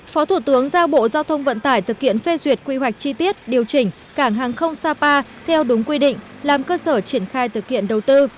phó thủ tướng giao bộ giao thông vận tải thực hiện phê duyệt quy hoạch chi tiết điều chỉnh cảng hàng không sapa theo đúng quy định làm cơ sở triển khai thực hiện đầu tư